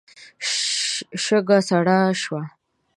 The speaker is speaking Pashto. شګه سړه شوه.